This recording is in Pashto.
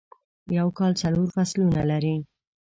یو کال څلور فصلونه لري.